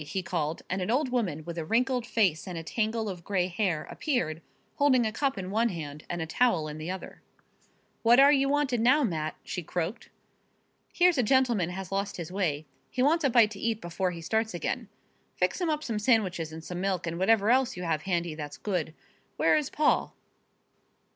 he called, and an old woman, with a wrinkled face and a tangle of gray hair appeared, holding a cup in one hand and a towel in the other. "What are ye wantin' now, Mat?" she croaked. "Here's a gentleman has lost his way. He wants a bite to eat before he starts again. Fix him up some sandwiches and some milk, and whatever else you have handy that's good. Where is Paul?"